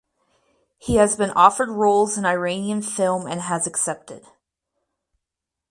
He has been offered roles in Iranian film and has accepted.